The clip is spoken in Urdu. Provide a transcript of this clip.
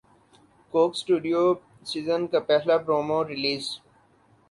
کوک اسٹوڈیو سیزن کا پہلا پرومو ریلیز